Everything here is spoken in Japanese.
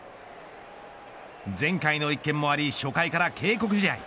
前回の一件もあり初回から警告試合。